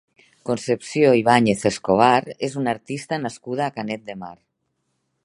Concepció Ibáñez Escobar és una artista nascuda a Canet de Mar.